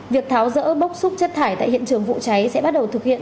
việc tháo rỡ bốc xúc chất thải tại hiện trường vụ cháy sẽ bắt đầu thực hiện